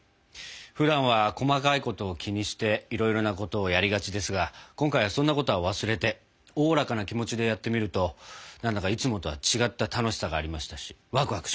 ふだんは細かいことを気にしていろいろなことをやりがちですが今回はそんなことは忘れておおらかな気持ちでやってみるとなんだかいつもとは違った楽しさがありましたしわくわくしました。